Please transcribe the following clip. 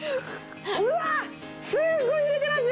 うわぁすごい揺れてます。